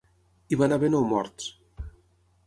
Hi van haver nou morts.